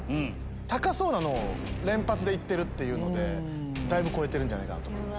高そうなのを連発で行ってるので超えてるんじゃないかと思います。